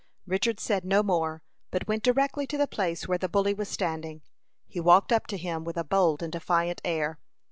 Richard said no more, but went directly to the place where the bully was standing. He walked up to him with a bold and defiant air.